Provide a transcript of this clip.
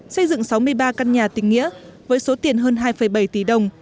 xây dựng sáu mươi ba căn nhà tỉnh nghĩa với số tiền hơn hai ba triệu đồng